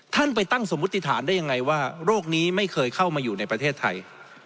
ท่านไปตั้งสมมุติฐานได้ยังไงว่าโรคนี้ไม่เคยเข้ามาอยู่ในประเทศไทย